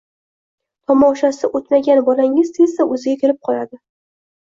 Tomoshasi o‘tmagan bolangiz tezda o‘ziga kelib qoladi.